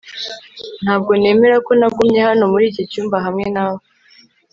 Ntabwo nemera ko nagumye hano muri iki cyumba hamwe nawe